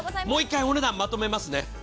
もう１回お値段まとめますね。